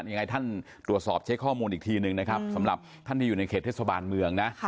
ยังไงท่านตรวจสอบเช็คข้อมูลอีกทีหนึ่งนะครับสำหรับท่านที่อยู่ในเขตเทศบาลเมืองนะ